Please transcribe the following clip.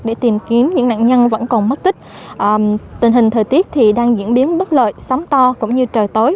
để tìm kiếm những nạn nhân vẫn còn mất tích tình hình thời tiết thì đang diễn biến bất lợi sóng to cũng như trời tối